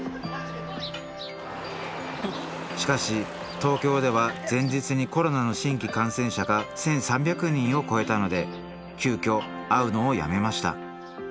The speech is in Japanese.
しかし東京では前日にコロナの新規感染者が１，３００人を超えたので急きょ会うのをやめました。